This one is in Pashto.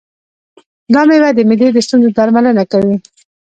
دا مېوه د معدې د ستونزو درملنه کوي.